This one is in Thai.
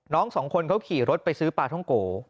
สองคนเขาขี่รถไปซื้อปลาท่องโก